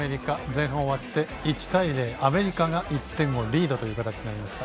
前半終わって、１−０アメリカが１点をリードということになりました。